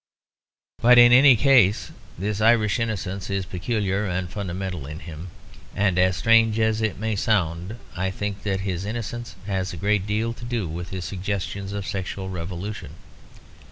But in any case this Irish innocence is peculiar and fundamental in him; and strange as it may sound, I think that his innocence has a great deal to do with his suggestions of sexual revolution.